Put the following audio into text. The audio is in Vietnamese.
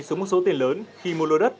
xuống một số tiền lớn khi mua lô đất